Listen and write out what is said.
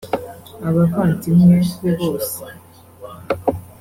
Abavandimwe be bose